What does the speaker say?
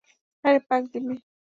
আরে পাগলী মেয়ে।